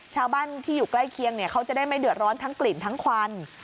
ชาวบ้านที่อยู่ใกล้เคียงเขาจะได้ไม่เดือดร้อนทั้งกลิ่นทั้งควัน